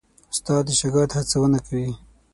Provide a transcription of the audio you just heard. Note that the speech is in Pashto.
استاد د شاګرد هڅونه کوي.